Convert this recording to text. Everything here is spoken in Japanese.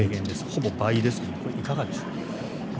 ほぼ倍ですけどこれはいかがでしょう？